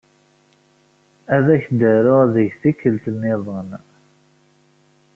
Ad ak-d-aruɣ deg tikkelt nniḍen